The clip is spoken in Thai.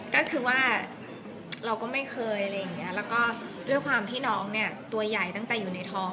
ก็คือว่าเราก็ไม่เคยด้วยความน้องเนี่ยตัวใหญ่ตั้งแต่อยู่ในท้อง